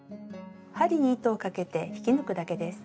針に糸をかけて引き抜くだけです。